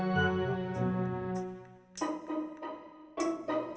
ya ya gak